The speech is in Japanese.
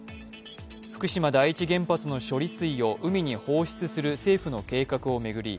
福島第一原発の処理水を海に放出する政府の計画を巡り